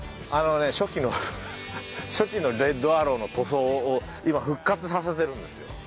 あのね初期の初期のレッドアローの塗装を今復活させてるんですよ。